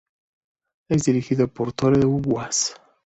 Es dirigido por Tore W. Aas.